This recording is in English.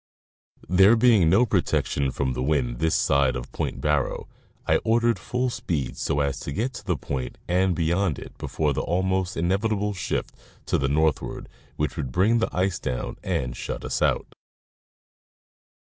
There being no protection from the wind this side of Point Barrow, I ordered full speed so as to get to the point and beyond it before the almost inevitable shift to the northward which would bring the ice down and shut us out.